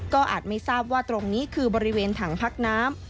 ก็อาจไม่ทราบว่าตรงนี้คือบริเวณถังพักน้ำ